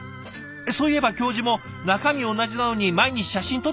そういえば教授も中身同じなのに毎日写真撮ってましたね。